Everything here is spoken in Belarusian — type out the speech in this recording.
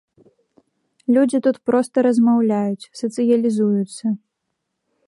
Людзі тут проста размаўляюць, сацыялізуюцца.